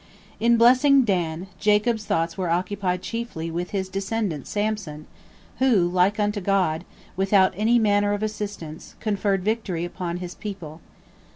In blessing Dan, Jacob's thoughts were occupied chiefly with his descendant Samson, who, like unto God, without any manner of assistance, conferred victory upon his people.